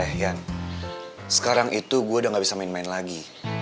eh yan sekarang itu gue udah gak bisa main main lagi